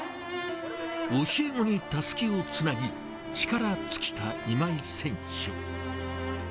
教え子にたすきをつなぎ、力尽きた今井選手。